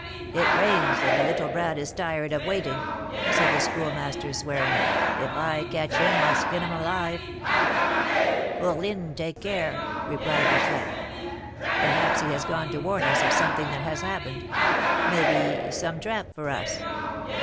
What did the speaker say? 'It rains, and the little brat is tired of waiting,' said the Schoolmaster, swearing; 'if I catch him, I'll skin him alive!' 'Fourline, take care!' replied the Chouette. 'Perhaps he has gone to warn us of something that has happened, maybe, some trap for us.